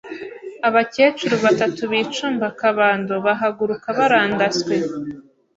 Abakecuru batatu bicumba akabando bahaguruka barandaswe